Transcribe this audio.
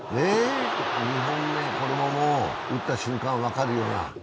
２本目、これも打った瞬間分かるような。